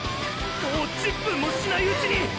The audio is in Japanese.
もう１０分もしないうちに！！